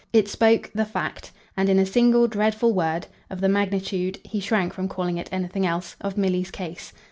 It spoke, the fact, and in a single dreadful word, of the magnitude he shrank from calling it anything else of Milly's case.